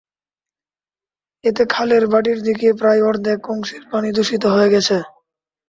এতে খালের ভাটির দিকের প্রায় অর্ধেক অংশের পানি দূষিত হয়ে গেছে।